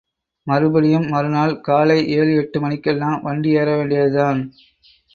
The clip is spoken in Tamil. மறுபடியும் மறுநாள் காலை ஏழு எட்டு மணிக்கெல்லாம் வண்டி ஏறவேண்டியதுதான்.